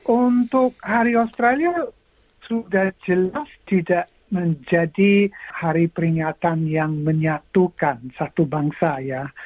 untuk hari australia sudah jelas tidak menjadi hari peringatan yang menyatukan satu bangsa ya